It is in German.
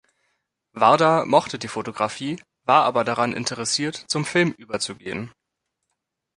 Varda mochte die Fotografie, war aber daran interessiert, zum Film überzugehen.